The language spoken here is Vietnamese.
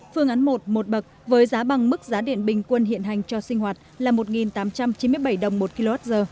phương án một một bậc với giá bằng mức giá điện bình quân hiện hành cho sinh hoạt là một tám trăm chín mươi bảy đồng một kwh